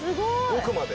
奥まで。